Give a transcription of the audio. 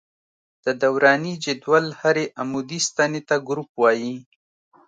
د دوراني جدول هرې عمودي ستنې ته ګروپ وايي.